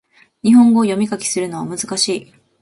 日本語を読み書きするのは難しい